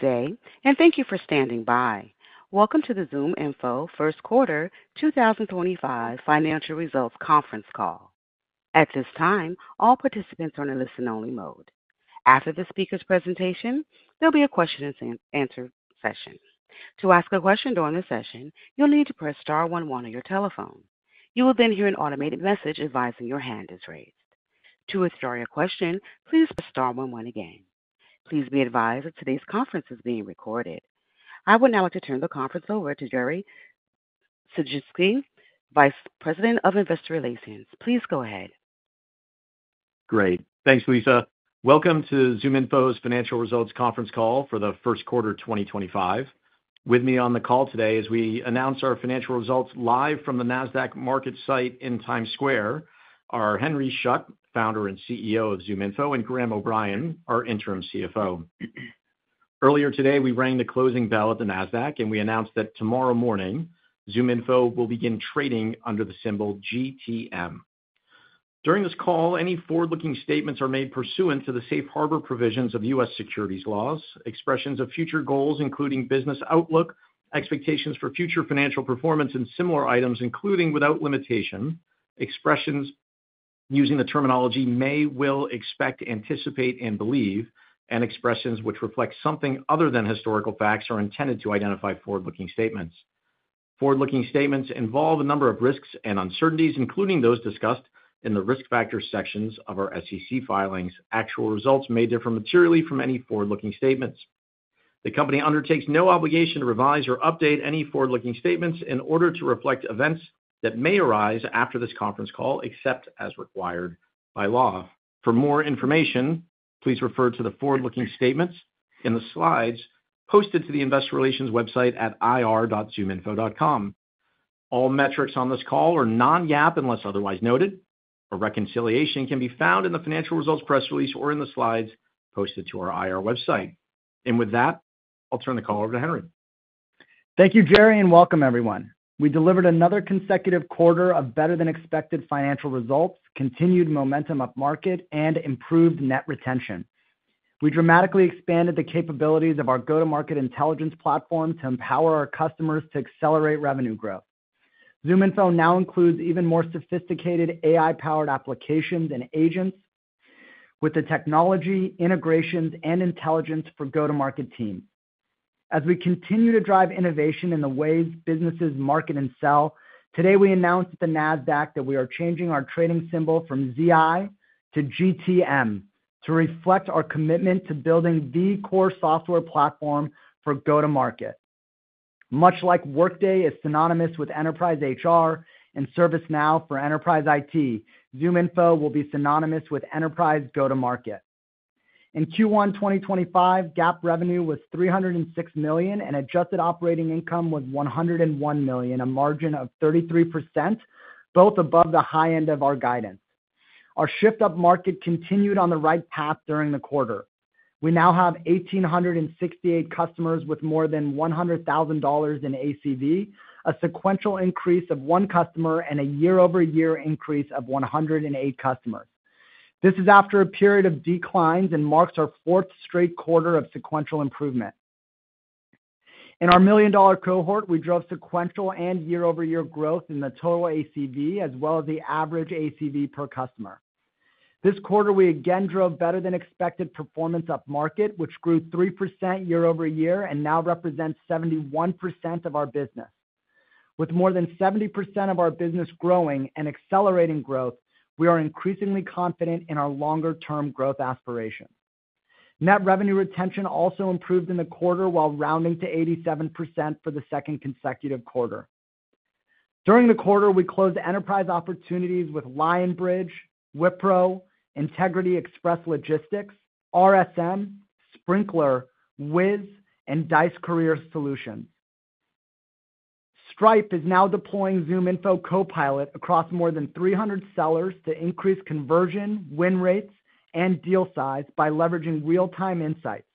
Today, and thank you for standing by. Welcome to the ZoomInfo First Quarter 2025 Financial Results Conference Call. At this time, all participants are in a listen-only mode. After the speaker's presentation, there'll be a question-and-answer session. To ask a question during the session, you'll need to press star 11 on your telephone. You will then hear an automated message advising your hand is raised. To withdraw your question, please press star 11 again. Please be advised that today's conference is being recorded. I would now like to turn the conference over to Jerry Sisitsky, Vice President of Investor Relations. Please go ahead. Great. Thanks, Lisa. Welcome to ZoomInfo's Financial Results Conference Call for the First Quarter 2025. With me on the call today as we announce our financial results live from the NASDAQ market site in Times Square are Henry Schuck, Founder and CEO of ZoomInfo, and Graham O'Brien, our Interim CFO. Earlier today, we rang the closing bell at the NASDAQ, and we announced that tomorrow morning, ZoomInfo will begin trading under the symbol GTM. During this call, any forward-looking statements are made pursuant to the safe harbor provisions of U.S. securities laws, expressions of future goals including business outlook, expectations for future financial performance, and similar items including without limitation, expressions using the terminology may, will, expect, anticipate, and believe, and expressions which reflect something other than historical facts are intended to identify forward-looking statements. Forward-looking statements involve a number of risks and uncertainties, including those discussed in the risk factor sections of our SEC filings. Actual results may differ materially from any forward-looking statements. The company undertakes no obligation to revise or update any forward-looking statements in order to reflect events that may arise after this conference call, except as required by law. For more information, please refer to the forward-looking statements in the slides posted to the Investor Relations website at ir.zoominfo.com. All metrics on this call are non-GAAP unless otherwise noted. A reconciliation can be found in the financial results press release or in the slides posted to our IR website. With that, I'll turn the call over to Henry. Thank you, Jerry, and welcome, everyone. We delivered another consecutive quarter of better-than-expected financial results, continued momentum up market, and improved net retention. We dramatically expanded the capabilities of our go-to-market intelligence platform to empower our customers to accelerate revenue growth. ZoomInfo now includes even more sophisticated AI-powered applications and agents with the technology, integrations, and intelligence for go-to-market teams. As we continue to drive innovation in the ways businesses market and sell, today we announced at the NASDAQ that we are changing our trading symbol from ZI to GTM to reflect our commitment to building the core software platform for go-to-market. Much like Workday is synonymous with enterprise HR and ServiceNow for enterprise IT, ZoomInfo will be synonymous with enterprise go-to-market. In Q1 2025, GAAP revenue was $306 million, and adjusted operating income was $101 million, a margin of 33%, both above the high end of our guidance. Our shift up market continued on the right path during the quarter. We now have 1,868 customers with more than $100,000 in ACV, a sequential increase of one customer and a year-over-year increase of 108 customers. This is after a period of declines and marks our fourth straight quarter of sequential improvement. In our million-dollar cohort, we drove sequential and year-over-year growth in the total ACV, as well as the average ACV per customer. This quarter, we again drove better-than-expected performance up market, which grew 3% year-over-year and now represents 71% of our business. With more than 70% of our business growing and accelerating growth, we are increasingly confident in our longer-term growth aspirations. Net revenue retention also improved in the quarter while rounding to 87% for the second consecutive quarter. During the quarter, we closed enterprise opportunities with Lionbridge, Wipro, Integrity Express Logistics, RSM, Sprinklr, Wiz, and Dice Career Solutions. Stripe is now deploying ZoomInfo Copilot across more than 300 sellers to increase conversion, win rates, and deal size by leveraging real-time insights.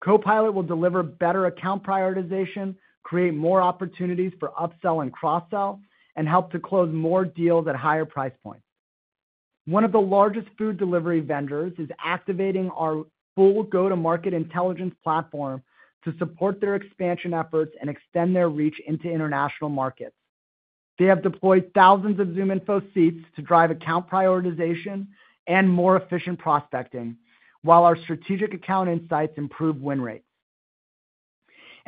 Copilot will deliver better account prioritization, create more opportunities for upsell and cross-sell, and help to close more deals at higher price points. One of the largest food delivery vendors is activating our full go-to-market intelligence platform to support their expansion efforts and extend their reach into international markets. They have deployed thousands of ZoomInfo seats to drive account prioritization and more efficient prospecting, while our strategic account insights improve win rates.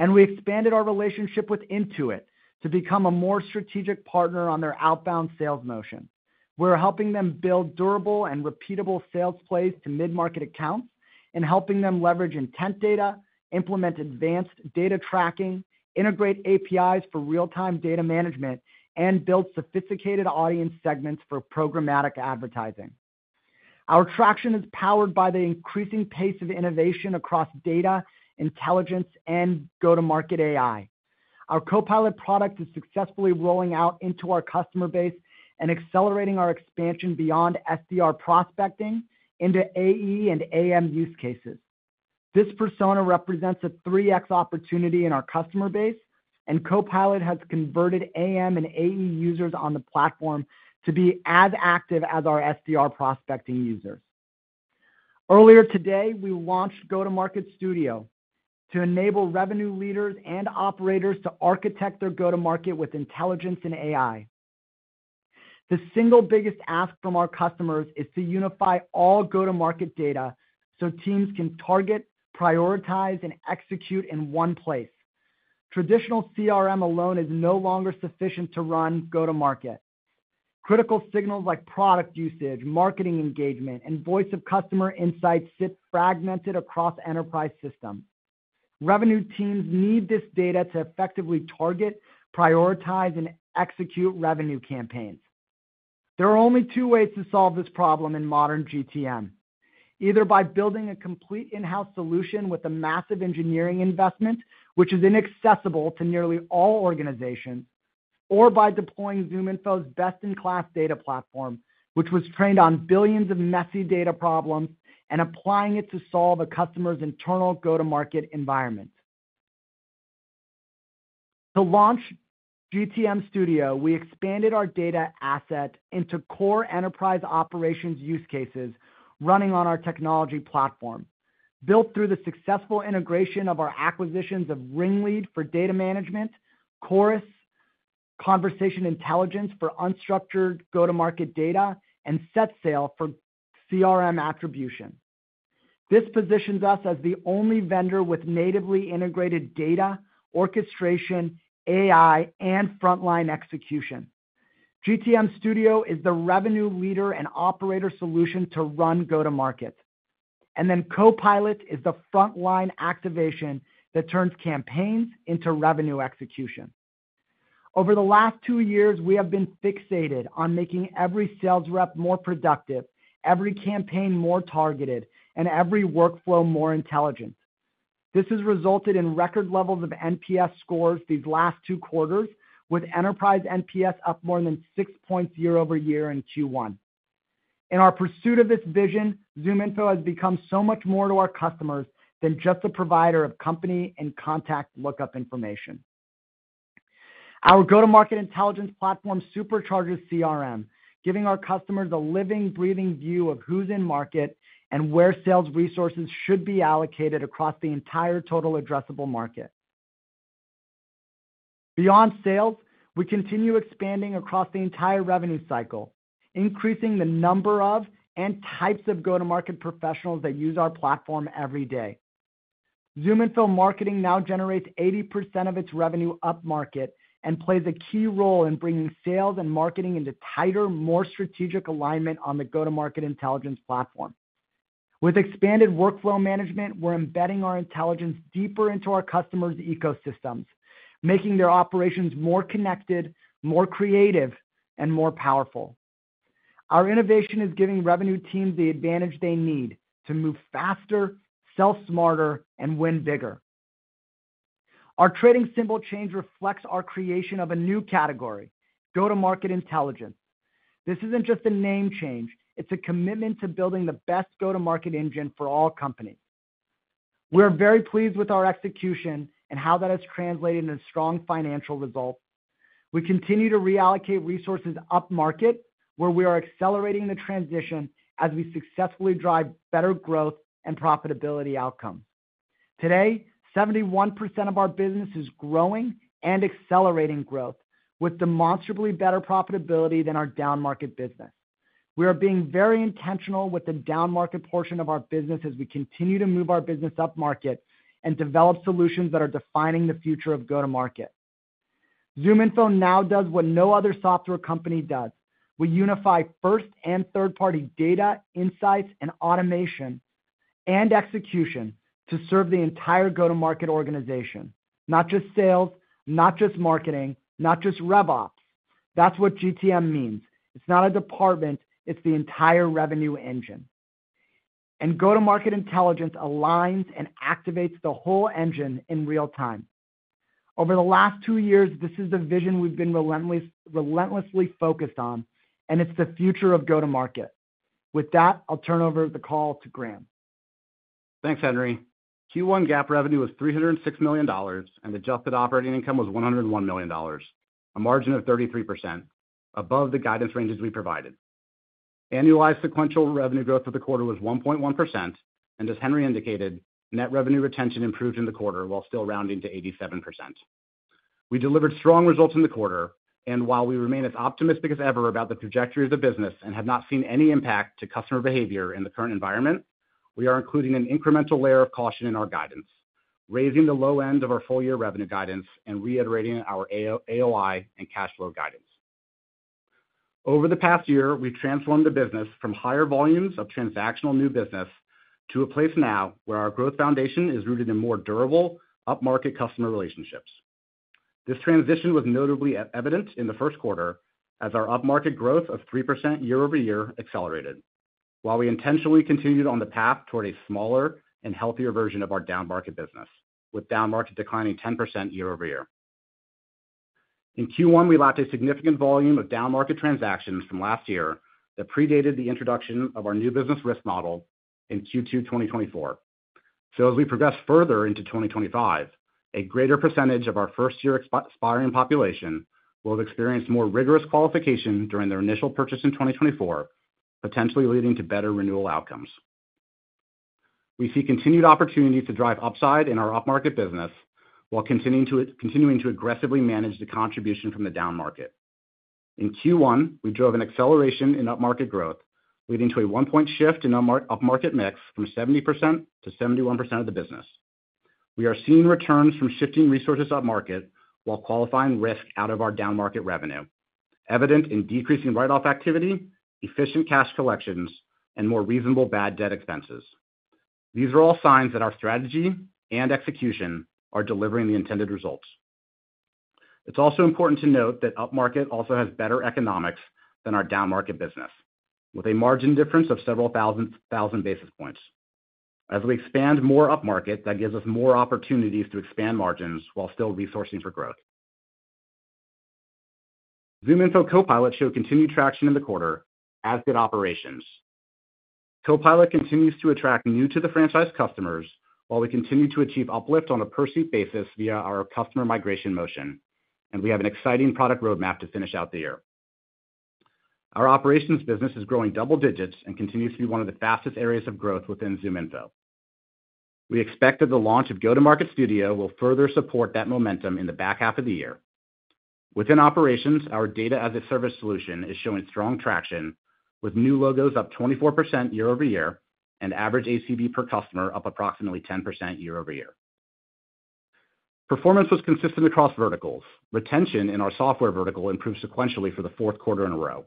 We expanded our relationship with Intuit to become a more strategic partner on their outbound sales motion. We're helping them build durable and repeatable sales plays to mid-market accounts and helping them leverage intent data, implement advanced data tracking, integrate APIs for real-time data management, and build sophisticated audience segments for programmatic advertising. Our traction is powered by the increasing pace of innovation across data, intelligence, and go-to-market AI. Our Copilot product is successfully rolling out into our customer base and accelerating our expansion beyond SDR prospecting into AE and AM use cases. This persona represents a 3X opportunity in our customer base, and Copilot has converted AM and AE users on the platform to be as active as our SDR prospecting users. Earlier today, we launched Go-to-Market Studio to enable revenue leaders and operators to architect their go-to-market with intelligence and AI. The single biggest ask from our customers is to unify all go-to-market data so teams can target, prioritize, and execute in one place. Traditional CRM alone is no longer sufficient to run go-to-market. Critical signals like product usage, marketing engagement, and voice of customer insights sit fragmented across enterprise systems. Revenue teams need this data to effectively target, prioritize, and execute revenue campaigns. There are only two ways to solve this problem in modern GTM: either by building a complete in-house solution with a massive engineering investment, which is inaccessible to nearly all organizations, or by deploying ZoomInfo's best-in-class data platform, which was trained on billions of messy data problems and applying it to solve a customer's internal go-to-market environment. To launch GTM Studio, we expanded our data asset into core enterprise operations use cases running on our technology platform, built through the successful integration of our acquisitions of Ringlead for data management, Chorus, conversation intelligence for unstructured go-to-market data, and SetSale for CRM attribution. This positions us as the only vendor with natively integrated data, orchestration, AI, and frontline execution. GTM Studio is the revenue leader and operator solution to run go-to-market. Copilot is the frontline activation that turns campaigns into revenue execution. Over the last two years, we have been fixated on making every sales rep more productive, every campaign more targeted, and every workflow more intelligent. This has resulted in record levels of NPS scores these last two quarters, with enterprise NPS up more than 6.0 over a year in Q1. In our pursuit of this vision, ZoomInfo has become so much more to our customers than just a provider of company and contact lookup information. Our go-to-market intelligence platform supercharges CRM, giving our customers a living, breathing view of who's in market and where sales resources should be allocated across the entire total addressable market. Beyond sales, we continue expanding across the entire revenue cycle, increasing the number of and types of go-to-market professionals that use our platform every day. ZoomInfo Marketing now generates 80% of its revenue up market and plays a key role in bringing sales and marketing into tighter, more strategic alignment on the go-to-market intelligence platform. With expanded workflow management, we're embedding our intelligence deeper into our customers' ecosystems, making their operations more connected, more creative, and more powerful. Our innovation is giving revenue teams the advantage they need to move faster, sell smarter, and win bigger. Our trading symbol change reflects our creation of a new category: go-to-market intelligence. This isn't just a name change; it's a commitment to building the best go-to-market engine for all companies. We are very pleased with our execution and how that has translated into strong financial results. We continue to reallocate resources up market, where we are accelerating the transition as we successfully drive better growth and profitability outcomes. Today, 71% of our business is growing and accelerating growth, with demonstrably better profitability than our down-market business. We are being very intentional with the down-market portion of our business as we continue to move our business up market and develop solutions that are defining the future of go-to-market. ZoomInfo now does what no other software company does. We unify first and third-party data, insights, and automation and execution to serve the entire go-to-market organization, not just sales, not just marketing, not just RevOps. That is what GTM means. It is not a department; it is the entire revenue engine. And go-to-market intelligence aligns and activates the whole engine in real time. Over the last two years, this is the vision we've been relentlessly focused on, and it's the future of go-to-market. With that, I'll turn over the call to Graham. Thanks, Henry. Q1 GAAP revenue was $306 million, and adjusted operating income was $101 million, a margin of 33%, above the guidance ranges we provided. Annualized sequential revenue growth for the quarter was 1.1%, and as Henry indicated, net revenue retention improved in the quarter while still rounding to 87%. We delivered strong results in the quarter, and while we remain as optimistic as ever about the trajectory of the business and have not seen any impact to customer behavior in the current environment, we are including an incremental layer of caution in our guidance, raising the low end of our full-year revenue guidance and reiterating our AOI and cash flow guidance. Over the past year, we've transformed the business from higher volumes of transactional new business to a place now where our growth foundation is rooted in more durable up-market customer relationships. This transition was notably evident in the first quarter as our up-market growth of 3% year-over-year accelerated, while we intentionally continued on the path toward a smaller and healthier version of our down-market business, with down-market declining 10% year-over-year. In Q1, we lacked a significant volume of down-market transactions from last year that predated the introduction of our new business risk model in Q2 2024. As we progress further into 2025, a greater percentage of our first-year aspiring population will have experienced more rigorous qualification during their initial purchase in 2024, potentially leading to better renewal outcomes. We see continued opportunities to drive upside in our up-market business while continuing to aggressively manage the contribution from the down market. In Q1, we drove an acceleration in up-market growth, leading to a one-point shift in up-market mix from 70% to 71% of the business. We are seeing returns from shifting resources up market while qualifying risk out of our down-market revenue, evident in decreasing write-off activity, efficient cash collections, and more reasonable bad debt expenses. These are all signs that our strategy and execution are delivering the intended results. It's also important to note that up-market also has better economics than our down-market business, with a margin difference of several thousand basis points. As we expand more up market, that gives us more opportunities to expand margins while still resourcing for growth. ZoomInfo Copilot showed continued traction in the quarter as did operations. Copilot continues to attract new-to-the-franchise customers while we continue to achieve uplift on a per-seat basis via our customer migration motion, and we have an exciting product roadmap to finish out the year. Our operations business is growing double digits and continues to be one of the fastest areas of growth within ZoomInfo. We expect that the launch of Go-to-Market Studio will further support that momentum in the back half of the year. Within operations, our data-as-a-service solution is showing strong traction, with new logos up 24% year-over-year and average ACV per customer up approximately 10% year-over-year. Performance was consistent across verticals. Retention in our software vertical improved sequentially for the fourth quarter in a row.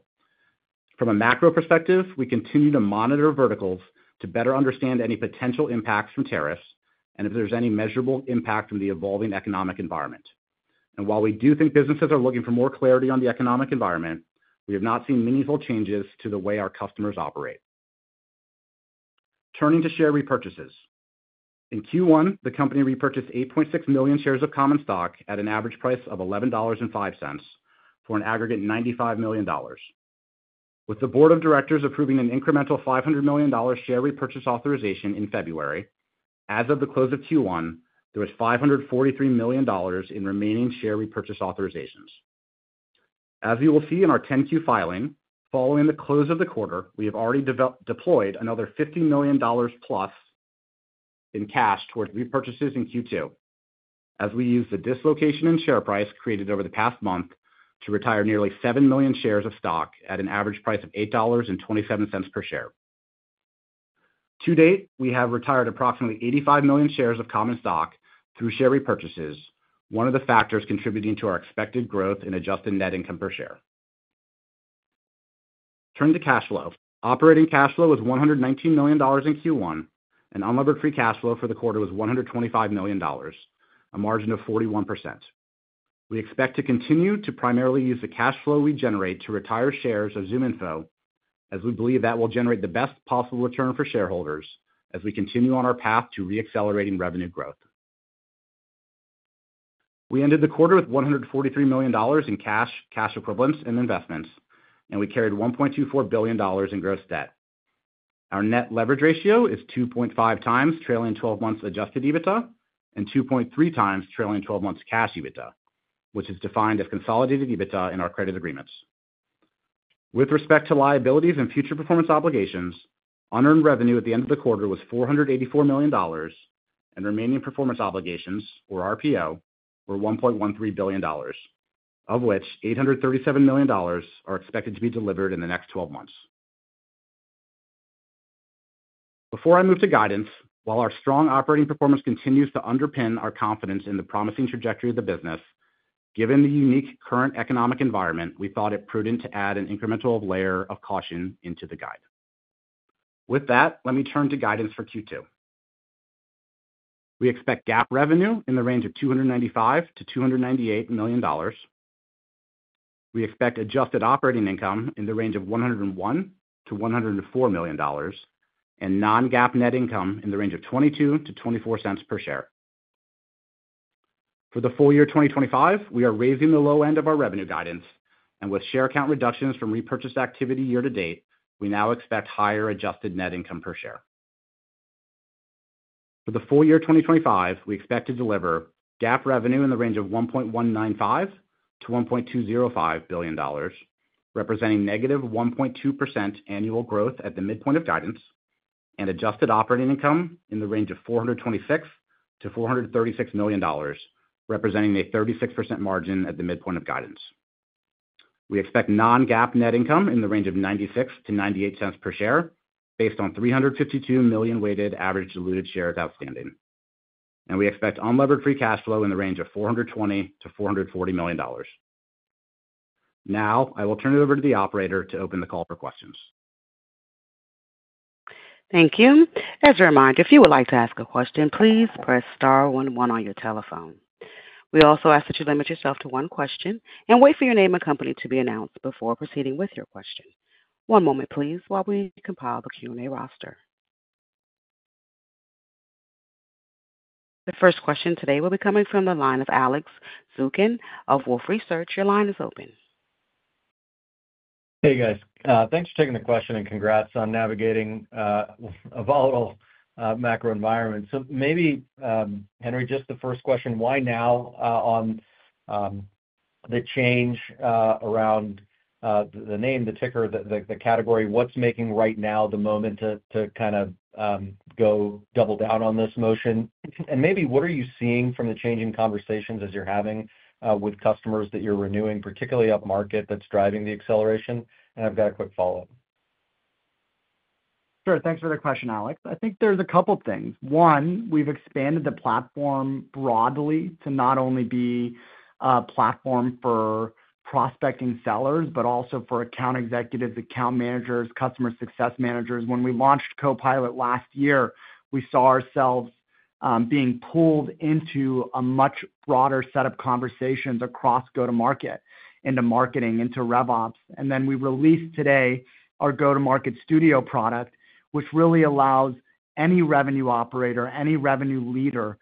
From a macro perspective, we continue to monitor verticals to better understand any potential impacts from tariffs and if there is any measurable impact from the evolving economic environment. While we do think businesses are looking for more clarity on the economic environment, we have not seen meaningful changes to the way our customers operate. Turning to share repurchases. In Q1, the company repurchased 8.6 million shares of Common Stock at an average price of $11.05 for an aggregate $95 million. With the board of directors approving an incremental $500 million share repurchase authorization in February, as of the close of Q1, there was $543 million in remaining share repurchase authorizations. As you will see in our 10Q filing, following the close of the quarter, we have already deployed another $50 million plus in cash towards repurchases in Q2, as we used the dislocation in share price created over the past month to retire nearly 7 million shares of stock at an average price of $8.27 per share. To date, we have retired approximately 85 million shares of Common Stock through share repurchases, one of the factors contributing to our expected growth in adjusted net income per share. Turning to cash flow, operating cash flow was $119 million in Q1, and unlevered free cash flow for the quarter was $125 million, a margin of 41%. We expect to continue to primarily use the cash flow we generate to retire shares of ZoomInfo, as we believe that will generate the best possible return for shareholders as we continue on our path to re-accelerating revenue growth. We ended the quarter with $143 million in cash, cash equivalents, and investments, and we carried $1.24 billion in gross debt. Our net leverage ratio is 2.5 times trailing 12 months adjusted EBITDA and 2.3 times trailing 12 months cash EBITDA, which is defined as consolidated EBITDA in our credit agreements. With respect to liabilities and future performance obligations, unearned revenue at the end of the quarter was $484 million, and remaining performance obligations, or RPO, were $1.13 billion, of which $837 million are expected to be delivered in the next 12 months. Before I move to guidance, while our strong operating performance continues to underpin our confidence in the promising trajectory of the business, given the unique current economic environment, we thought it prudent to add an incremental layer of caution into the guide. With that, let me turn to guidance for Q2. We expect GAAP revenue in the range of $295–$298 million. We expect adjusted operating income in the range of $101-$104 million, and non-GAAP net income in the range of $0.22-$0.24 per share. For the full year 2025, we are raising the low end of our revenue guidance, and with share count reductions from repurchased activity year to date, we now expect higher adjusted net income per share. For the full year 2025, we expect to deliver GAAP revenue in the range of $1.195–$1.205 billion, representing negative 1.2% annual growth at the midpoint of guidance, and adjusted operating income in the range of $426 million-$436 million, representing a 36% margin at the midpoint of guidance. We expect non-GAAP net income in the range of $0.96-$0.98 per share, based on 352 million weighted average diluted shares outstanding. We expect unlevered free cash flow in the range of $420 million-$440 million. Now, I will turn it over to the operator to open the call for questions. Thank you. As a reminder, if you would like to ask a question, please press star 101 on your telephone. We also ask that you limit yourself to one question and wait for your name and company to be announced before proceeding with your question. One moment, please, while we compile the Q&A roster. The first question today will be coming from the line of Alex Zukin of Wolf Research. Your line is open. Hey, guys. Thanks for taking the question and congrats on navigating a volatile macro environment. Maybe, Henry, just the first question: why now on the change around the name, the ticker, the category? What's making right now the moment to kind of go double down on this motion? Maybe, what are you seeing from the changing conversations as you're having with customers that you're renewing, particularly up market, that's driving the acceleration? I've got a quick follow-up. Sure. Thanks for the question, Alex. I think there's a couple of things. One, we've expanded the platform broadly to not only be a platform for prospecting sellers, but also for account executives, account managers, customer success managers. When we launched Copilot last year, we saw ourselves being pulled into a much broader set of conversations across go-to-market, into marketing, into RevOps. We released today our Go-to-Market Studio product, which really allows any revenue operator, any revenue leader,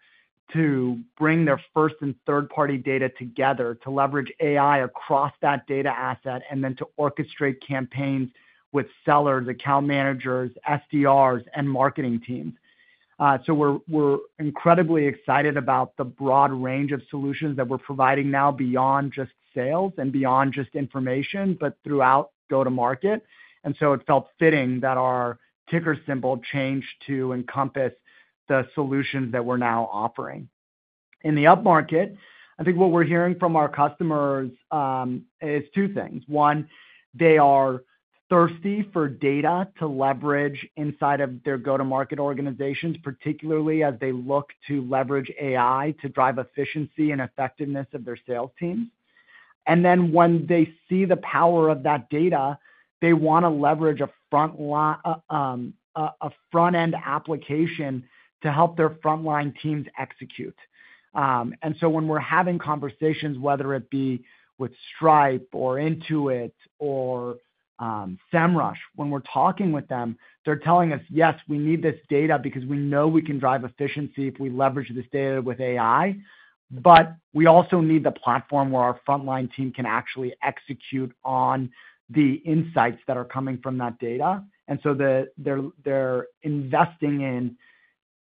to bring their first and third-party data together to leverage AI across that data asset and then to orchestrate campaigns with sellers, account managers, SDRs, and marketing teams. We're incredibly excited about the broad range of solutions that we're providing now, beyond just sales and beyond just information, but throughout go-to-market. It felt fitting that our ticker symbol changed to encompass the solutions that we're now offering. In the up market, I think what we're hearing from our customers is two things. One, they are thirsty for data to leverage inside of their go-to-market organizations, particularly as they look to leverage AI to drive efficiency and effectiveness of their sales teams. When they see the power of that data, they want to leverage a front-end application to help their front-line teams execute. When we're having conversations, whether it be with Stripe or Intuit or Semrush, when we're talking with them, they're telling us, "Yes, we need this data because we know we can drive efficiency if we leverage this data with AI, but we also need the platform where our front-line team can actually execute on the insights that are coming from that data." They are investing in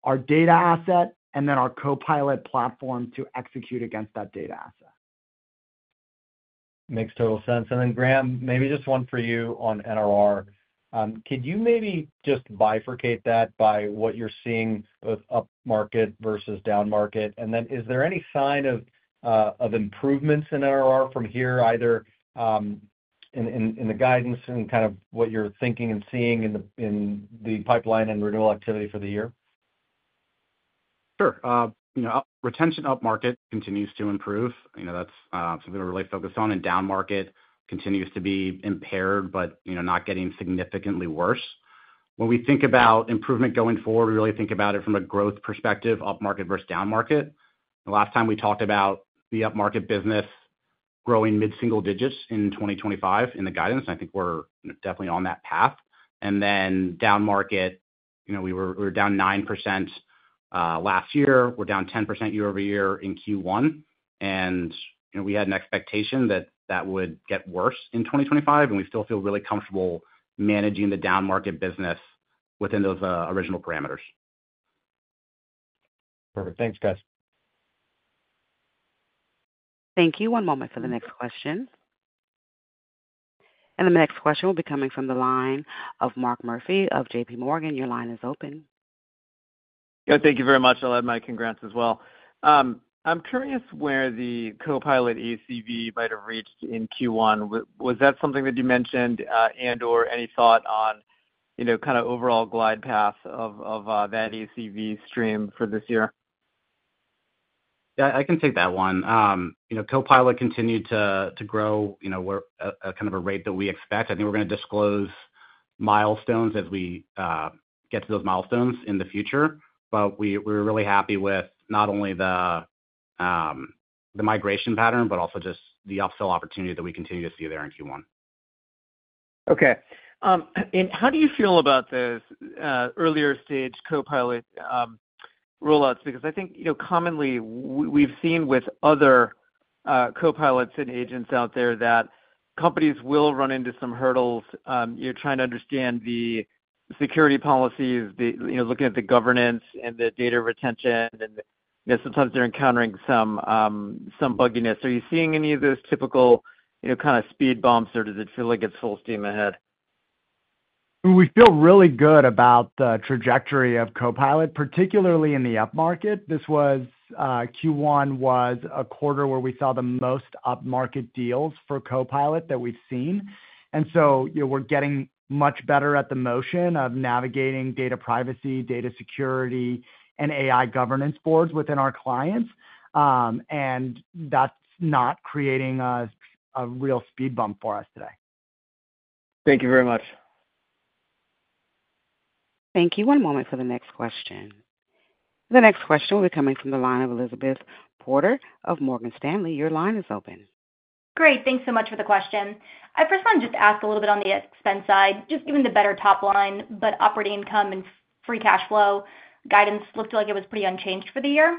our data asset and then our Copilot platform to execute against that data asset. Makes total sense. Graham, maybe just one for you on NRR. Could you maybe just bifurcate that by what you're seeing with up market versus down market? Is there any sign of improvements in NRR from here, either in the guidance and kind of what you're thinking and seeing in the pipeline and renewal activity for the year? Sure. Retention up market continues to improve. That's something we're really focused on. Down market continues to be impaired but not getting significantly worse. When we think about improvement going forward, we really think about it from a growth perspective, up market versus down market. The last time we talked about the up market business growing mid-single digits in 2025 in the guidance, and I think we're definitely on that path. Down market, we were down 9% last year. We're down 10% year-over-year in Q1. We had an expectation that that would get worse in 2025, and we still feel really comfortable managing the down market business within those original parameters. Perfect. Thanks, guys. Thank you. One moment for the next question. The next question will be coming from the line of Mark Murphy of J.P. Morgan. Your line is open. Thank you very much. I'll add my congrats as well. I'm curious where the Copilot ACV might have reached in Q1. Was that something that you mentioned or any thought on kind of overall glide path of that ACV stream for this year? Yeah, I can take that one. Copilot continued to grow at kind of a rate that we expect. I think we're going to disclose milestones as we get to those milestones in the future, but we're really happy with not only the migration pattern, but also just the upsell opportunity that we continue to see there in Q1. Okay. How do you feel about those earlier-stage Copilot rollouts? I think commonly we've seen with other Copilots and agents out there that companies will run into some hurdles. You're trying to understand the security policies, looking at the governance and the data retention, and sometimes they're encountering some bugginess. Are you seeing any of those typical kind of speed bumps, or does it feel like it's full steam ahead? We feel really good about the trajectory of Copilot, particularly in the up market. Q1 was a quarter where we saw the most up market deals for Copilot that we've seen. We are getting much better at the motion of navigating data privacy, data security, and AI governance boards within our clients. That's not creating a real speed bump for us today. Thank you very much. Thank you. One moment for the next question. The next question will be coming from the line of Elizabeth Porter of Morgan Stanley. Your line is open. Great. Thanks so much for the question. I first wanted to just ask a little bit on the expense side, just given the better top line, but operating income and free cash flow guidance looked like it was pretty unchanged for the year.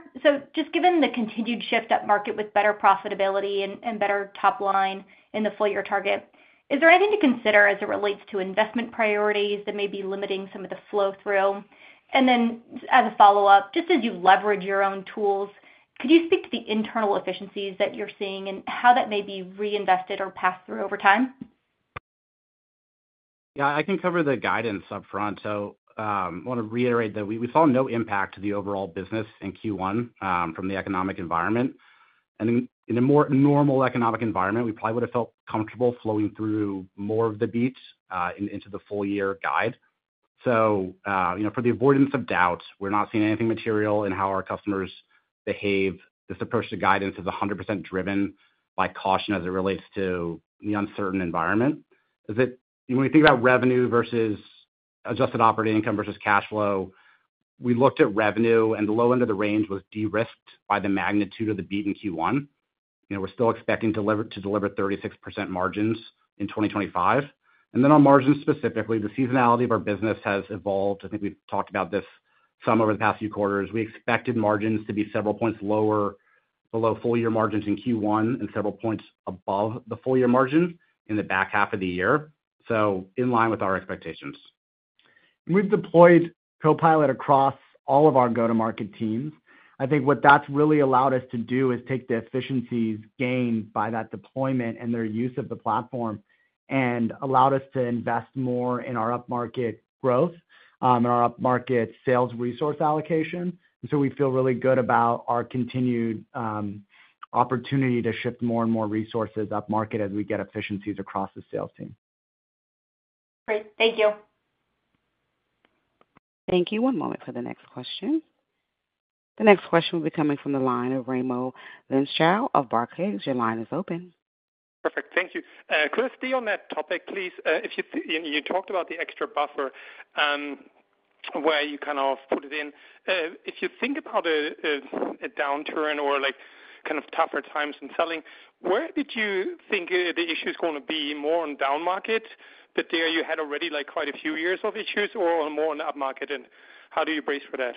Just given the continued shift up market with better profitability and better top line in the full year target, is there anything to consider as it relates to investment priorities that may be limiting some of the flow-through? As a follow-up, just as you leverage your own tools, could you speak to the internal efficiencies that you're seeing and how that may be reinvested or passed through over time? Yeah, I can cover the guidance up front. I want to reiterate that we saw no impact to the overall business in Q1 from the economic environment. In a more normal economic environment, we probably would have felt comfortable flowing through more of the beats into the full year guide. For the avoidance of doubt, we're not seeing anything material in how our customers behave. This approach to guidance is 100% driven by caution as it relates to the uncertain environment. When we think about revenue versus adjusted operating income versus cash flow, we looked at revenue, and the low end of the range was de-risked by the magnitude of the beat in Q1. We're still expecting to deliver 36% margins in 2025. On margins specifically, the seasonality of our business has evolved. I think we've talked about this some over the past few quarters. We expected margins to be several points lower below full year margins in Q1 and several points above the full year margins in the back half of the year. In line with our expectations. We've deployed Copilot across all of our go-to-market teams. I think what that's really allowed us to do is take the efficiencies gained by that deployment and their use of the platform and allowed us to invest more in our up market growth and our up market sales resource allocation. We feel really good about our continued opportunity to shift more and more resources up market as we get efficiencies across the sales team. Great. Thank you. Thank you. One moment for the next question. The next question will be coming from the line of Raymond Linschal of Barclays. Your line is open. Perfect. Thank you. Kris, stay on that topic, please. You talked about the extra buffer where you kind of put it in. If you think about a downturn or kind of tougher times in selling, where did you think the issue is going to be more in downmarket, that there you had already quite a few years of issues, or more in upmarket? And how do you brace for that?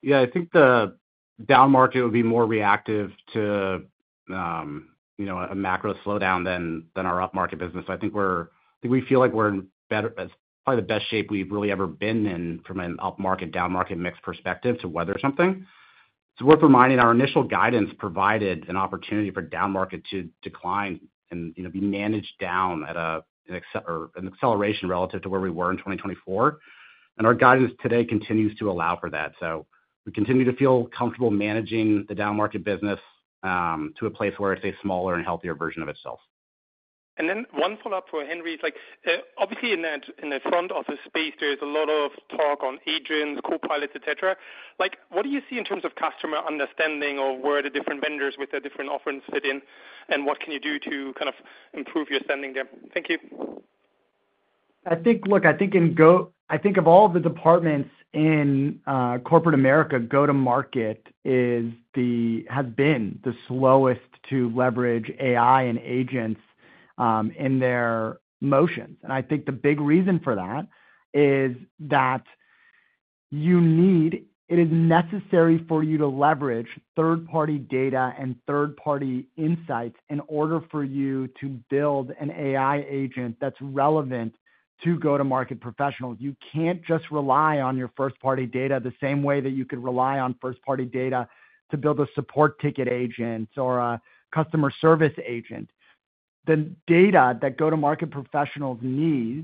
Yeah, I think the down market will be more reactive to a macro slowdown than our up market business. I think we feel like we're in probably the best shape we've really ever been in from an up market, down market mix perspective to weather something. It's worth reminding our initial guidance provided an opportunity for down market to decline and be managed down at an acceleration relative to where we were in 2024. Our guidance today continues to allow for that. We continue to feel comfortable managing the down market business to a place where it's a smaller and healthier version of itself. One follow-up for Henry. Obviously, in the front-office space, there is a lot of talk on agents, Copilots, etc. What do you see in terms of customer understanding of where the different vendors with the different offerings fit in, and what can you do to kind of improve your standing there? Thank you. I think, look, I think of all the departments in corporate America, go-to-market has been the slowest to leverage AI and agents in their motions. I think the big reason for that is that it is necessary for you to leverage third-party data and third-party insights in order for you to build an AI agent that's relevant to go-to-market professionals. You can't just rely on your first-party data the same way that you could rely on first-party data to build a support ticket agent or a customer service agent. The data that go-to-market professionals need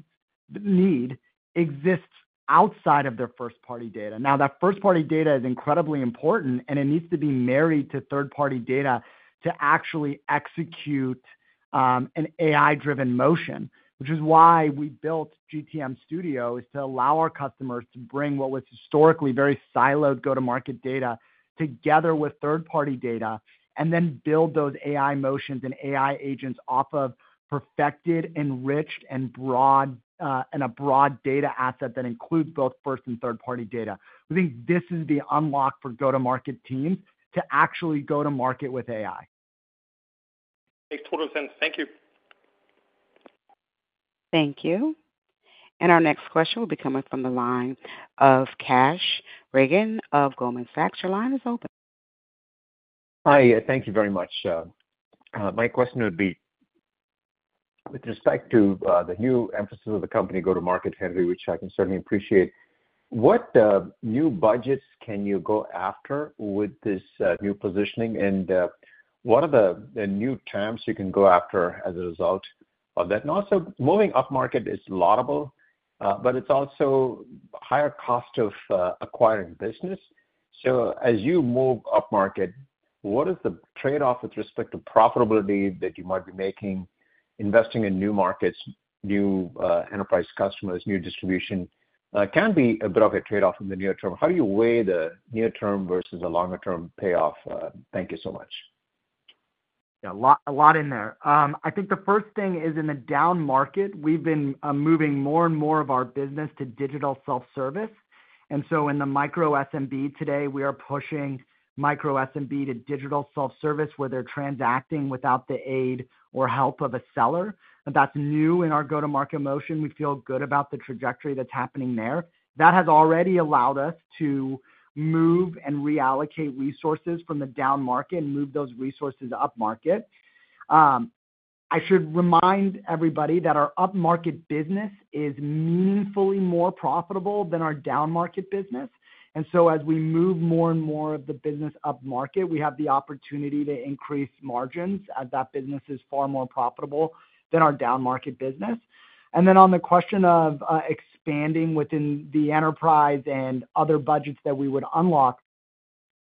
exists outside of their first-party data. Now, that first-party data is incredibly important, and it needs to be married to third-party data to actually execute an AI-driven motion, which is why we built GTM Studio, is to allow our customers to bring what was historically very siloed go-to-market data together with third-party data and then build those AI motions and AI agents off of perfected, enriched, and a broad data asset that includes both first and third-party data. I think this is the unlock for go-to-market teams to actually go-to-market with AI. Makes total sense. Thank you. Thank you. Our next question will be coming from the line of Cash Reagan of Goldman Sachs. Your line is open. Hi, thank you very much. My question would be with respect to the new emphasis of the company go-to-market, Henry, which I can certainly appreciate. What new budgets can you go after with this new positioning, and what are the new terms you can go after as a result of that? Also, moving up market is laudable, but it's also a higher cost of acquiring business. As you move up market, what is the trade-off with respect to profitability that you might be making investing in new markets, new enterprise customers, new distribution? It can be a bit of a trade-off in the near term. How do you weigh the near-term versus a longer-term payoff? Thank you so much. Yeah, a lot in there. I think the first thing is in the down market, we've been moving more and more of our business to digital self-service. In the micro SMB today, we are pushing micro SMB to digital self-service where they're transacting without the aid or help of a seller. That's new in our go-to-market motion. We feel good about the trajectory that's happening there. That has already allowed us to move and reallocate resources from the down market and move those resources up market. I should remind everybody that our up market business is meaningfully more profitable than our down market business. As we move more and more of the business up market, we have the opportunity to increase margins as that business is far more profitable than our down market business. On the question of expanding within the enterprise and other budgets that we would unlock,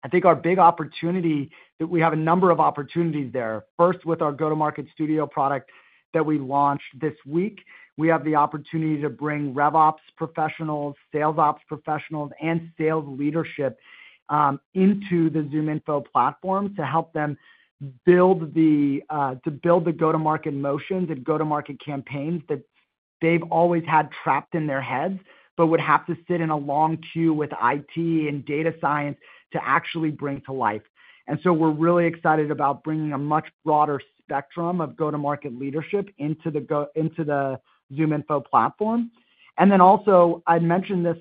I think our big opportunity is that we have a number of opportunities there. First, with our Go-to-Market Studio product that we launched this week, we have the opportunity to bring RevOps professionals, SalesOps professionals, and sales leadership into the ZoomInfo platform to help them build the go-to-market motions and go-to-market campaigns that they have always had trapped in their heads but would have to sit in a long queue with IT and data science to actually bring to life. We are really excited about bringing a much broader spectrum of go-to-market leadership into the ZoomInfo platform. I mentioned this,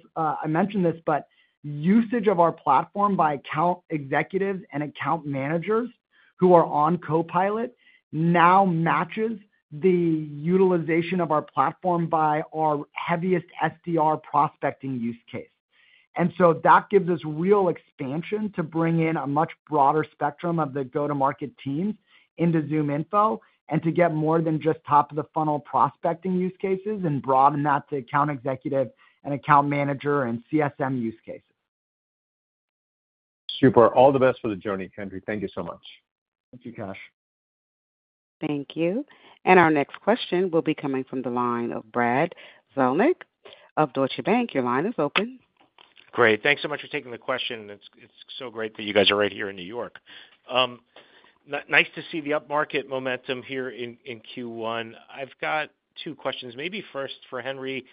but usage of our platform by account executives and account managers who are on Copilot now matches the utilization of our platform by our heaviest SDR prospecting use case. That gives us real expansion to bring in a much broader spectrum of the go-to-market teams into ZoomInfo and to get more than just top-of-the-funnel prospecting use cases and broaden that to account executive and account manager and CSM use cases. Super. All the best for the journey, Henry. Thank you so much. Thank you, Cash. Thank you. Our next question will be coming from the line of Brad Zelnick of Deutsche Bank. Your line is open. Great. Thanks so much for taking the question. It's so great that you guys are right here in New York. Nice to see the upmarket momentum here in Q1. I've got two questions. Maybe first for Henry,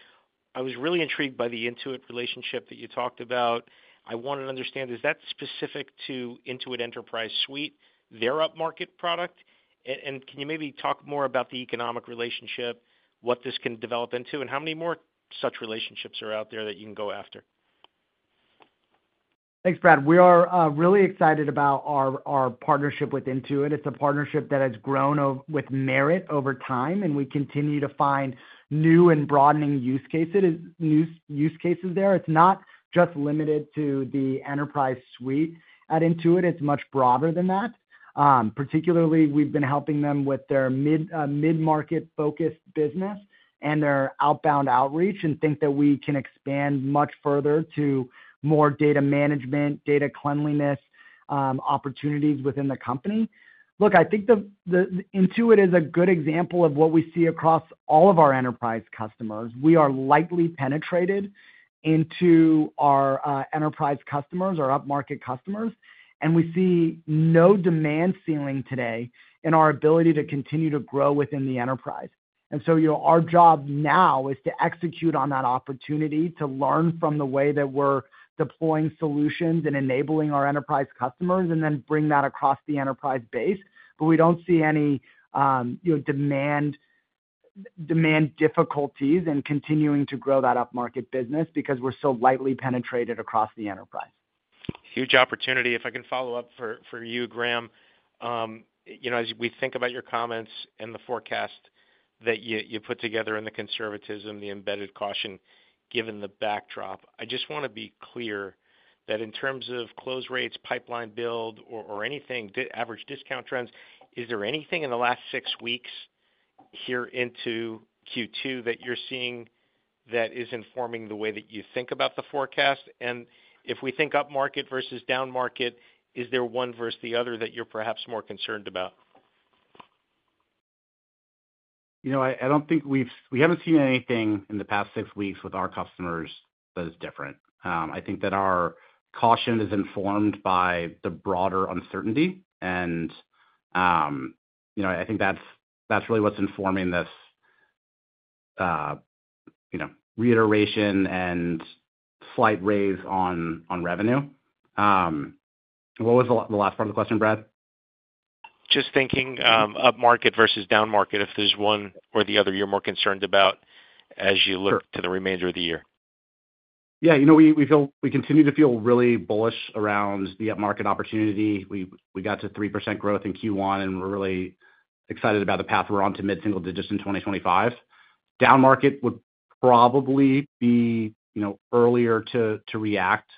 I was really intrigued by the Intuit relationship that you talked about. I wanted to understand, is that specific to Intuit Enterprise Suite, their upmarket product? Can you maybe talk more about the economic relationship, what this can develop into, and how many more such relationships are out there that you can go after? Thanks, Brad. We are really excited about our partnership with Intuit. It's a partnership that has grown with merit over time, and we continue to find new and broadening use cases there. It's not just limited to the enterprise suite at Intuit. It's much broader than that. Particularly, we've been helping them with their mid-market-focused business and their outbound outreach and think that we can expand much further to more data management, data cleanliness opportunities within the company. Look, I think Intuit is a good example of what we see across all of our enterprise customers. We are lightly penetrated into our enterprise customers, our upmarket customers, and we see no demand ceiling today in our ability to continue to grow within the enterprise. Our job now is to execute on that opportunity to learn from the way that we're deploying solutions and enabling our enterprise customers and then bring that across the enterprise base. We do not see any demand difficulties in continuing to grow that upmarket business because we're so lightly penetrated across the enterprise. Huge opportunity. If I can follow up for you, Graham, as we think about your comments and the forecast that you put together and the conservatism, the embedded caution, given the backdrop, I just want to be clear that in terms of close rates, pipeline build, or anything, average discount trends, is there anything in the last six weeks here into Q2 that you're seeing that is informing the way that you think about the forecast? If we think upmarket versus downmarket, is there one versus the other that you're perhaps more concerned about? I don't think we haven't seen anything in the past six weeks with our customers that is different. I think that our caution is informed by the broader uncertainty. I think that's really what's informing this reiteration and slight raise on revenue. What was the last part of the question, Brad? Just thinking upmarket versus downmarket, if there's one or the other you're more concerned about as you look to the remainder of the year. Yeah. We continue to feel really bullish around the upmarket opportunity. We got to 3% growth in Q1, and we're really excited about the path we're on to mid-single digits in 2025. Downmarket would probably be earlier to react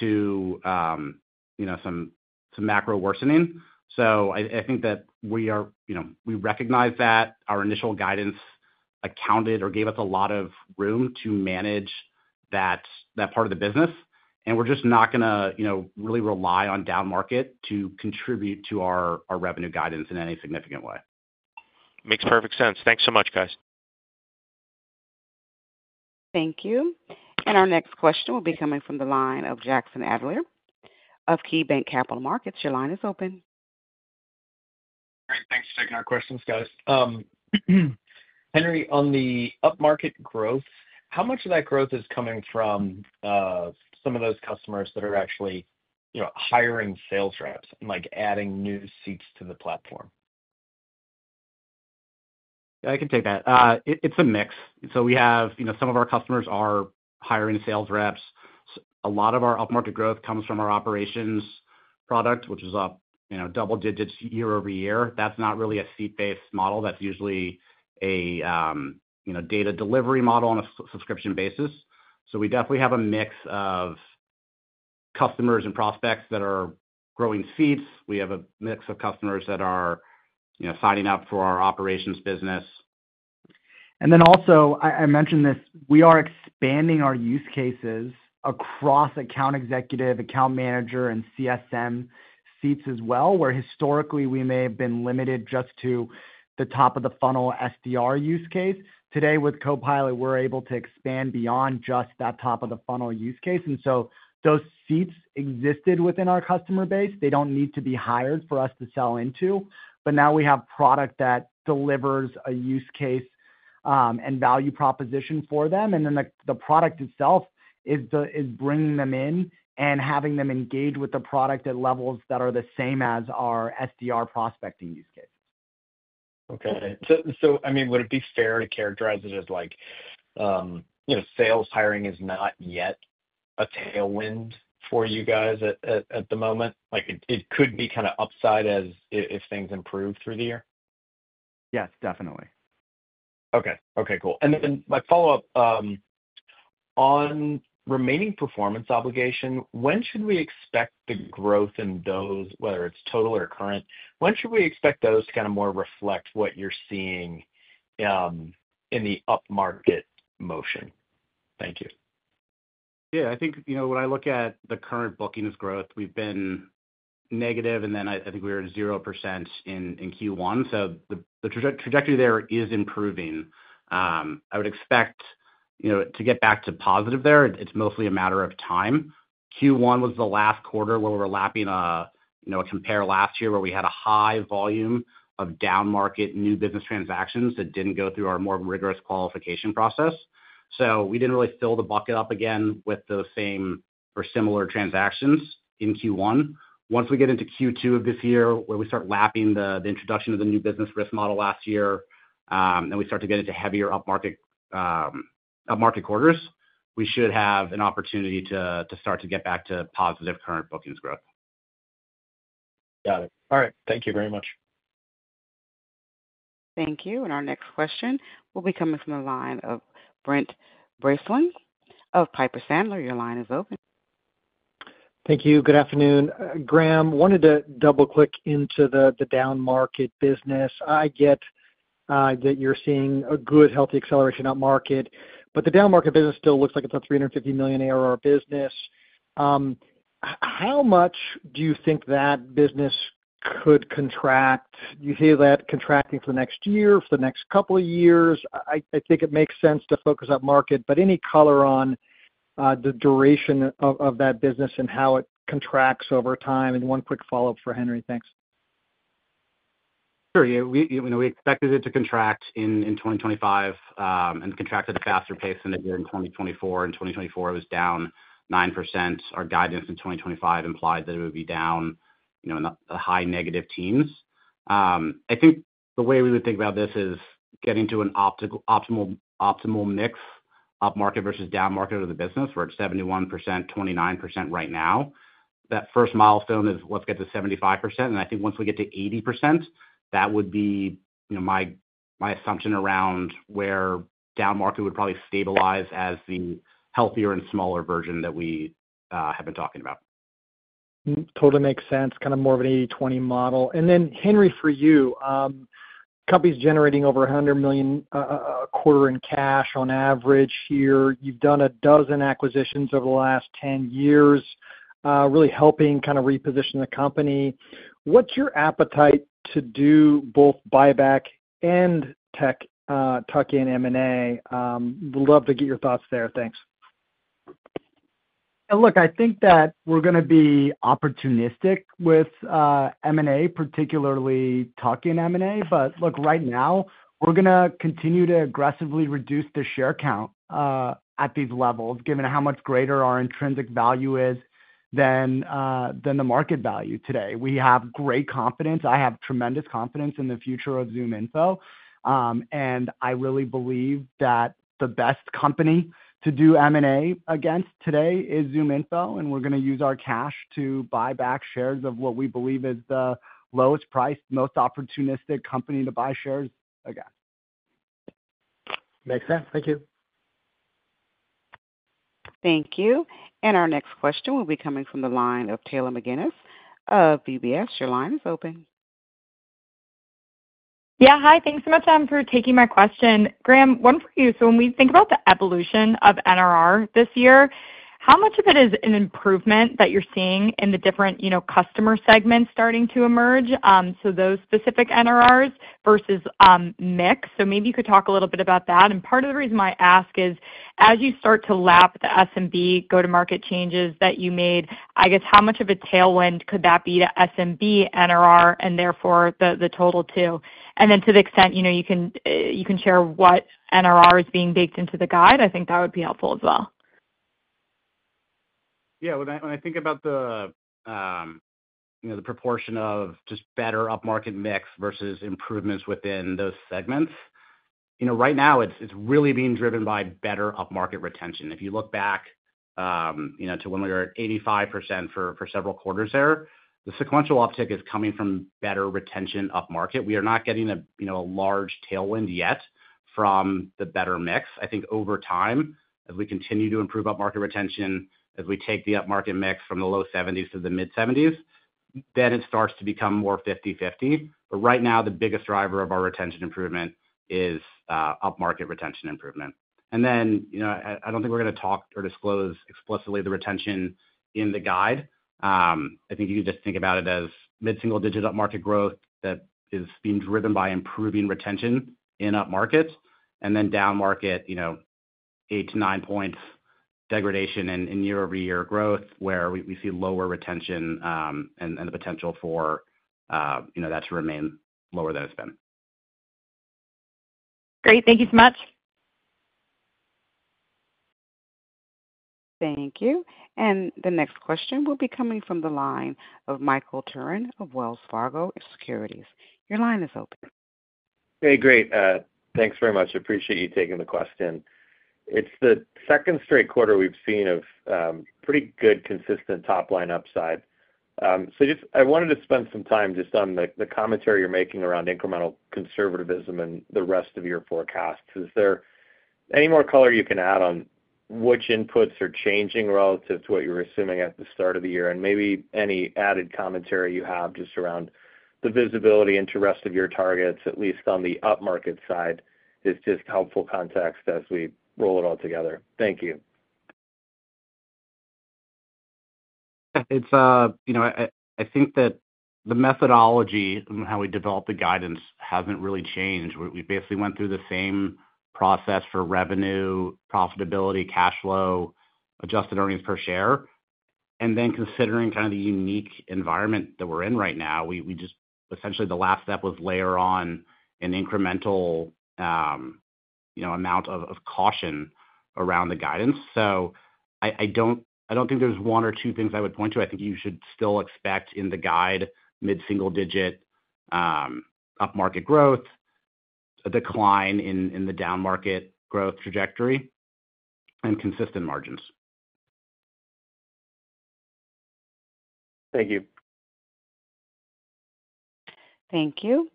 to some macro worsening. I think that we recognize that our initial guidance accounted or gave us a lot of room to manage that part of the business. We're just not going to really rely on downmarket to contribute to our revenue guidance in any significant way. Makes perfect sense. Thanks so much, guys. Thank you. Our next question will be coming from the line of Jackson Adler of Key Bank Capital Markets. Your line is open. Great. Thanks for taking our questions, guys. Henry, on the upmarket growth, how much of that growth is coming from some of those customers that are actually hiring sales reps and adding new seats to the platform? Yeah, I can take that. It's a mix. Some of our customers are hiring sales reps. A lot of our upmarket growth comes from our operations product, which is double digits year over year. That's not really a seat-based model. That's usually a data delivery model on a subscription basis. We definitely have a mix of customers and prospects that are growing seats. We have a mix of customers that are signing up for our operations business. I mentioned this, we are expanding our use cases across account executive, account manager, and CSM seats as well, where historically we may have been limited just to the top-of-the-funnel SDR use case. Today, with Copilot, we're able to expand beyond just that top-of-the-funnel use case. Those seats existed within our customer base. They do not need to be hired for us to sell into. Now we have product that delivers a use case and value proposition for them. The product itself is bringing them in and having them engage with the product at levels that are the same as our SDR prospecting use cases. Okay. I mean, would it be fair to characterize it as sales hiring is not yet a tailwind for you guys at the moment? It could be kind of upside if things improve through the year. Yes, definitely. Okay. Okay. Cool. My follow-up on remaining performance obligation, when should we expect the growth in those, whether it's total or current, when should we expect those to kind of more reflect what you're seeing in the upmarket motion? Thank you. Yeah. I think when I look at the current bookings growth, we've been negative, and then I think we were at 0% in Q1. The trajectory there is improving. I would expect to get back to positive there. It's mostly a matter of time. Q1 was the last quarter where we were lapping a compare last year where we had a high volume of downmarket new business transactions that didn't go through our more rigorous qualification process. We didn't really fill the bucket up again with those same or similar transactions in Q1. Once we get into Q2 of this year where we start lapping the introduction of the new business risk model last year and we start to get into heavier upmarket quarters, we should have an opportunity to start to get back to positive current bookings growth. Got it. All right. Thank you very much. Thank you. Our next question will be coming from the line of Brent Breslin of Piper Sandler. Your line is open. Thank you. Good afternoon. Graham, wanted to double-click into the downmarket business. I get that you're seeing a good, healthy acceleration upmarket, but the downmarket business still looks like it's a $350 million ARR business. How much do you think that business could contract? Do you see that contracting for the next year, for the next couple of years? I think it makes sense to focus upmarket, but any color on the duration of that business and how it contracts over time? One quick follow-up for Henry. Thanks. Sure. We expected it to contract in 2025 and contract at a faster pace than it did in 2024. In 2024, it was down 9%. Our guidance in 2025 implied that it would be down in the high negative teens. I think the way we would think about this is getting to an optimal mix upmarket versus downmarket of the business. We're at 71%, 29% right now. That first milestone is let's get to 75%. I think once we get to 80%, that would be my assumption around where downmarket would probably stabilize as the healthier and smaller version that we have been talking about. Totally makes sense. Kind of more of an 80/20 model. Then, Henry, for you, company's generating over $100 million a quarter in cash on average here. You've done a dozen acquisitions over the last 10 years, really helping kind of reposition the company. What's your appetite to do both buyback and tuck-in M&A? We'd love to get your thoughts there. Thanks. Look, I think that we're going to be opportunistic with M&A, particularly tuck in M&A. Right now, we're going to continue to aggressively reduce the share count at these levels, given how much greater our intrinsic value is than the market value today. We have great confidence. I have tremendous confidence in the future of ZoomInfo. I really believe that the best company to do M&A against today is ZoomInfo, and we're going to use our cash to buy back shares of what we believe is the lowest priced, most opportunistic company to buy shares against. Makes sense. Thank you. Thank you. Our next question will be coming from the line of Taylor McGinnis of VBS. Your line is open. Yeah. Hi. Thanks so much, Adam, for taking my question. Graham, one for you. When we think about the evolution of NRR this year, how much of it is an improvement that you're seeing in the different customer segments starting to emerge, so those specific NRRs versus mix? Maybe you could talk a little bit about that. Part of the reason why I ask is, as you start to lap the SMB go-to-market changes that you made, I guess, how much of a tailwind could that be to SMB NRR and therefore the total too? To the extent you can share what NRR is being baked into the guide, I think that would be helpful as well. Yeah. When I think about the proportion of just better upmarket mix versus improvements within those segments, right now, it's really being driven by better upmarket retention. If you look back to when we were at 85% for several quarters there, the sequential uptick is coming from better retention upmarket. We are not getting a large tailwind yet from the better mix. I think over time, as we continue to improve upmarket retention, as we take the upmarket mix from the low 70s to the mid-70s, it starts to become more 50/50. Right now, the biggest driver of our retention improvement is upmarket retention improvement. I don't think we're going to talk or disclose explicitly the retention in the guide. I think you could just think about it as mid-single digit upmarket growth that is being driven by improving retention in upmarket and then downmarket 8-9 points degradation in year-over-year growth where we see lower retention and the potential for that to remain lower than it's been. Great. Thank you so much. Thank you. The next question will be coming from the line of Michael Turin of Wells Fargo Securities. Your line is open. Hey, great. Thanks very much. Appreciate you taking the question. It's the second straight quarter we've seen of pretty good consistent top-line upside. I wanted to spend some time just on the commentary you're making around incremental conservatism and the rest of your forecasts. Is there any more color you can add on which inputs are changing relative to what you were assuming at the start of the year? Maybe any added commentary you have just around the visibility into the rest of your targets, at least on the upmarket side, is just helpful context as we roll it all together. Thank you. Yeah. I think that the methodology and how we develop the guidance hasn't really changed. We basically went through the same process for revenue, profitability, cash flow, adjusted earnings per share. Considering kind of the unique environment that we're in right now, essentially the last step was layer on an incremental amount of caution around the guidance. I don't think there's one or two things I would point to. I think you should still expect in the guide mid-single digit upmarket growth, a decline in the downmarket growth trajectory, and consistent margins. Thank you. Thank you.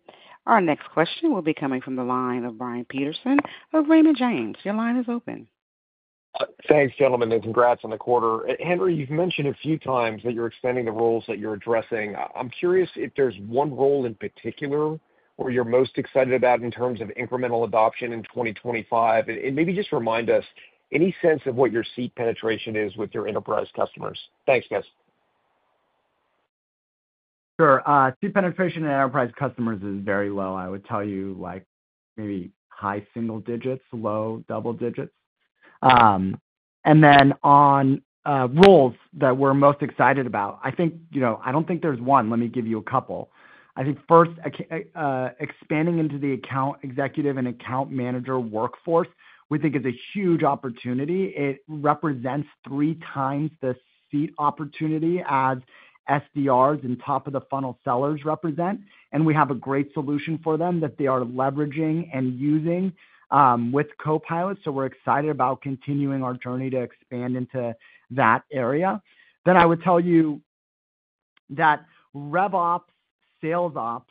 Our next question will be coming from the line of Brian Peterson of Raymond James. Your line is open. Thanks, gentlemen. And congrats on the quarter. Henry, you've mentioned a few times that you're extending the roles that you're addressing. I'm curious if there's one role in particular where you're most excited about in terms of incremental adoption in 2025. And maybe just remind us, any sense of what your seat penetration is with your enterprise customers? Thanks, guys. Sure. Seat penetration in enterprise customers is very low. I would tell you maybe high single digits, low double digits. On roles that we're most excited about, I don't think there's one. Let me give you a couple. I think first, expanding into the account executive and account manager workforce, we think is a huge opportunity. It represents three times the seat opportunity as SDRs and top-of-the-funnel sellers represent. We have a great solution for them that they are leveraging and using with Copilot. We're excited about continuing our journey to expand into that area. I would tell you that RevOps, SalesOps,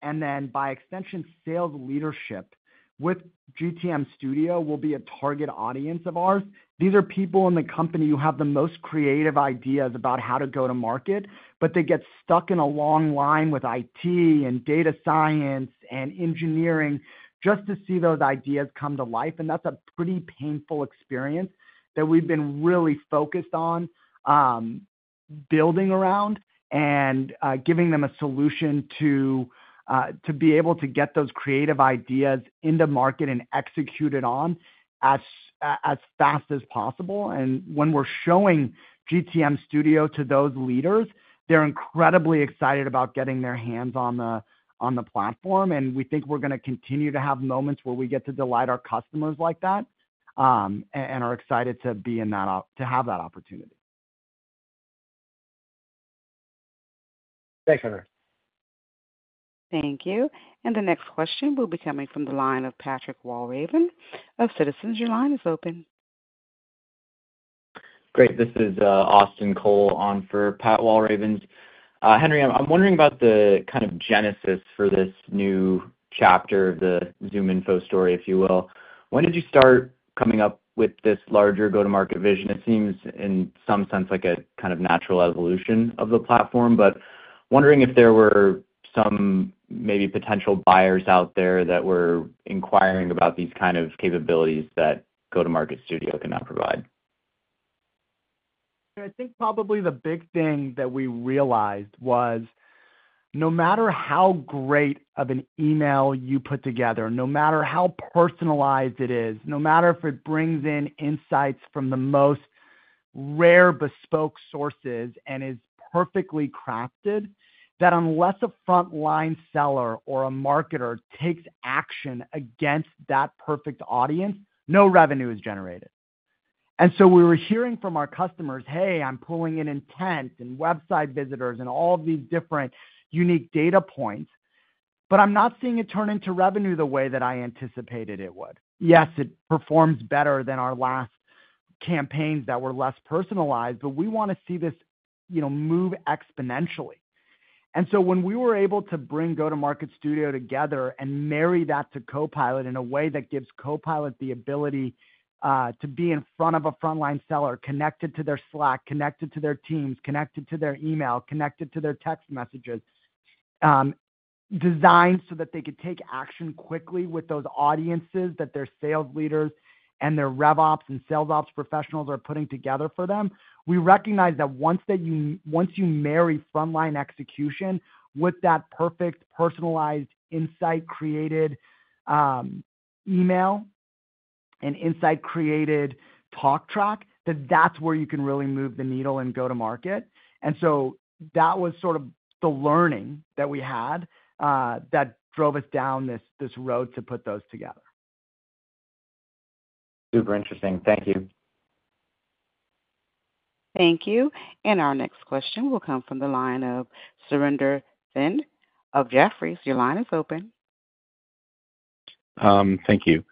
and then by extension, sales leadership with GTM Studio will be a target audience of ours. These are people in the company who have the most creative ideas about how to go to market, but they get stuck in a long line with IT and data science and engineering just to see those ideas come to life. That is a pretty painful experience that we've been really focused on building around and giving them a solution to be able to get those creative ideas into market and execute on as fast as possible. When we're showing GTM Studio to those leaders, they're incredibly excited about getting their hands on the platform. We think we're going to continue to have moments where we get to delight our customers like that and are excited to have that opportunity. Thanks, Henry. Thank you. The next question will be coming from the line of Patrick Wahlravin of Citizens. Your line is open. Great. This is Austin Cole on for Pat Walravens. Henry, I'm wondering about the kind of genesis for this new chapter of the ZoomInfo story, if you will. When did you start coming up with this larger go-to-market vision? It seems in some sense like a kind of natural evolution of the platform, but wondering if there were some maybe potential buyers out there that were inquiring about these kind of capabilities that Go-to-Market Studio can now provide. I think probably the big thing that we realized was no matter how great of an email you put together, no matter how personalized it is, no matter if it brings in insights from the most rare bespoke sources and is perfectly crafted, that unless a frontline seller or a marketer takes action against that perfect audience, no revenue is generated. We were hearing from our customers, "Hey, I'm pulling in intent and website visitors and all of these different unique data points, but I'm not seeing it turn into revenue the way that I anticipated it would." Yes, it performs better than our last campaigns that were less personalized, but we want to see this move exponentially. When we were able to bring Go-to-Market Studio together and marry that to Copilot in a way that gives Copilot the ability to be in front of a frontline seller, connected to their Slack, connected to their teams, connected to their email, connected to their text messages, designed so that they could take action quickly with those audiences that their sales leaders and their RevOps and SalesOps professionals are putting together for them, we recognize that once you marry frontline execution with that perfect personalized insight-created email and insight-created talk track, that's where you can really move the needle in go-to-market. That was sort of the learning that we had that drove us down this road to put those together. Super interesting. Thank you. Thank you. Our next question will come from the line of Surinder Thind of Jefferies. Your line is open. Thank you.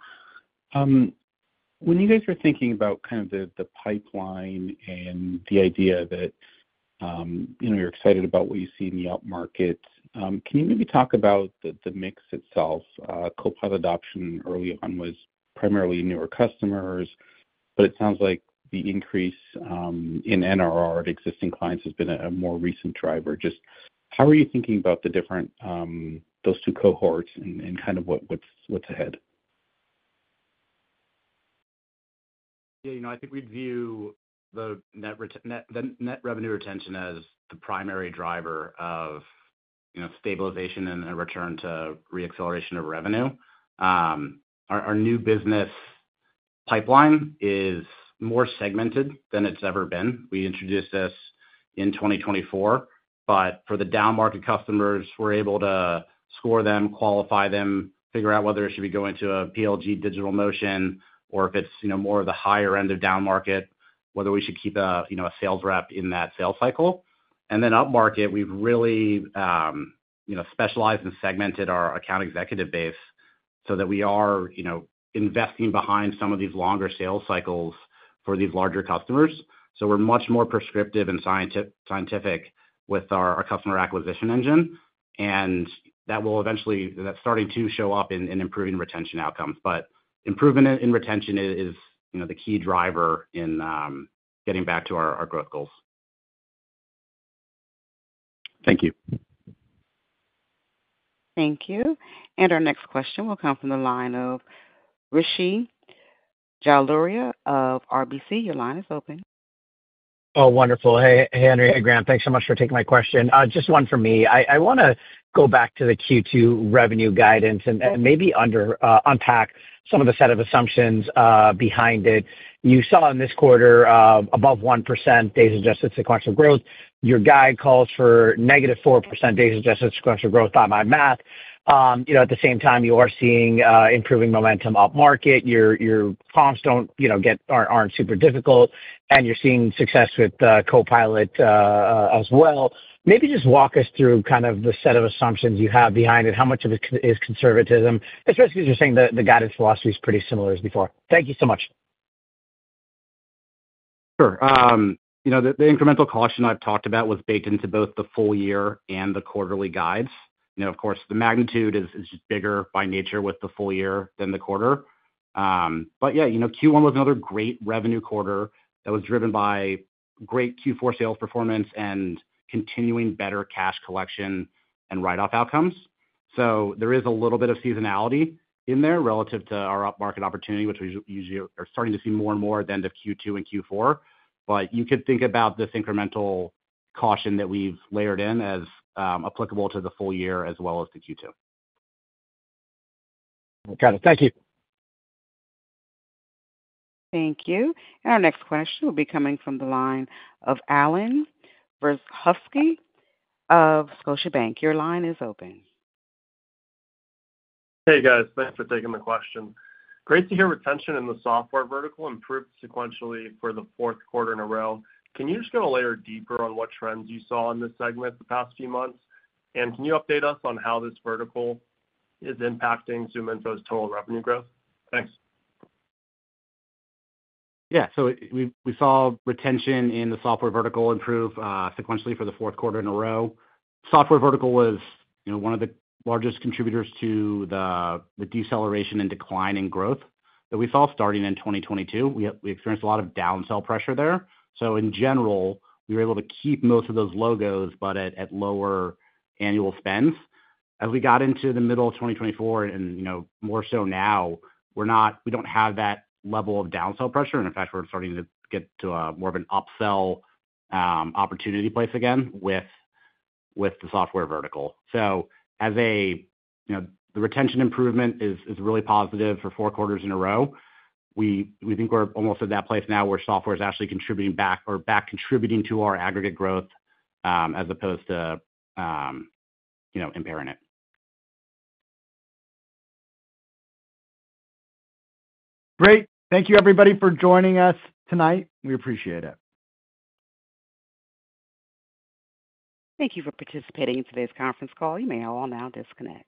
When you guys are thinking about kind of the pipeline and the idea that you're excited about what you see in the upmarket, can you maybe talk about the mix itself? Copilot adoption early on was primarily newer customers, but it sounds like the increase in NRR to existing clients has been a more recent driver. Just how are you thinking about those two cohorts and kind of what's ahead? Yeah. I think we view the net revenue retention as the primary driver of stabilization and a return to re-acceleration of revenue. Our new business pipeline is more segmented than it's ever been. We introduced this in 2024, but for the downmarket customers, we're able to score them, qualify them, figure out whether it should be going to a PLG Digital Motion or if it's more of the higher end of downmarket, whether we should keep a sales rep in that sales cycle. Upmarket, we've really specialized and segmented our account executive base so that we are investing behind some of these longer sales cycles for these larger customers. We are much more prescriptive and scientific with our customer acquisition engine. That will eventually start to show up in improving retention outcomes. Improvement in retention is the key driver in getting back to our growth goals. Thank you. Thank you. Our next question will come from the line of Rishi Jaluria of RBC. Your line is open. Oh, wonderful. Hey, Henry, hey, Graham, thanks so much for taking my question. Just one for me. I want to go back to the Q2 revenue guidance and maybe unpack some of the set of assumptions behind it. You saw in this quarter above 1% day's adjusted sequential growth. Your guide calls for negative 4% day's adjusted sequential growth by my math. At the same time, you are seeing improving momentum upmarket. Your comps aren't super difficult. You are seeing success with Copilot as well. Maybe just walk us through kind of the set of assumptions you have behind it. How much of it is conservatism, especially because you're saying the guidance philosophy is pretty similar as before? Thank you so much. Sure. The incremental caution I've talked about was baked into both the full year and the quarterly guides. Of course, the magnitude is just bigger by nature with the full year than the quarter. Yeah, Q1 was another great revenue quarter that was driven by great Q4 sales performance and continuing better cash collection and write-off outcomes. There is a little bit of seasonality in there relative to our upmarket opportunity, which we usually are starting to see more and more at the end of Q2 and Q4. You could think about this incremental caution that we've layered in as applicable to the full year as well as the Q2. Got it. Thank you. Thank you. Our next question will be coming from the line of Raymond Linschal of Scotiabank. Your line is open. Hey, guys. Thanks for taking the question. Great to hear retention in the software vertical improved sequentially for the fourth quarter in a row. Can you just go a layer deeper on what trends you saw in this segment the past few months? Can you update us on how this vertical is impacting ZoomInfo's total revenue growth? Thanks. Yeah. We saw retention in the software vertical improve sequentially for the fourth quarter in a row. The software vertical was one of the largest contributors to the deceleration and decline in growth that we saw starting in 2022. We experienced a lot of downsell pressure there. In general, we were able to keep most of those logos, but at lower annual spend. As we got into the middle of 2024 and more so now, we do not have that level of downsell pressure. In fact, we are starting to get to more of an upsell opportunity place again with the software vertical. The retention improvement is really positive for four quarters in a row. We think we are almost at that place now where software is actually contributing back or back contributing to our aggregate growth as opposed to impairing it. Great. Thank you, everybody, for joining us tonight. We appreciate it. Thank you for participating in today's conference call. You may all now disconnect.